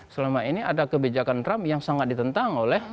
selama ini ada kebijakan trump yang sangat ditentang oleh